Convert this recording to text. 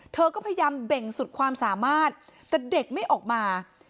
เธอก็พยายามเบ่งสุดความสามารถแต่เด็กไม่ออกมา